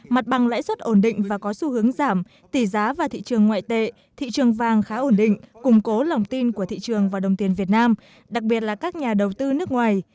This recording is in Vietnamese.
mặt bằng lãi suất ổn định và có xu hướng giảm tỷ giá và thị trường ngoại tệ thị trường vàng khá ổn định củng cố lòng tin của thị trường và đồng tiền việt nam đặc biệt là các nhà đầu tư nước ngoài